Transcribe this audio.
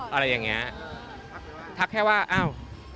โอเคนะทำไมไม่บอก